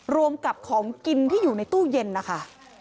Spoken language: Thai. รวมกับของกินที่อยู่ในตู้เย็นนะคะ